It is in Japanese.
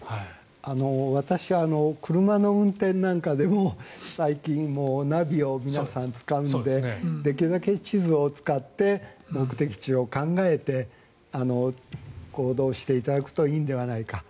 私、車の運転なんかでも最近、皆さんナビを使うのでできるだけ地図を使って目的地を考えて行動していただくといいのではないか。